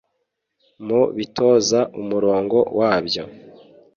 mu bitoza umurongo wabyo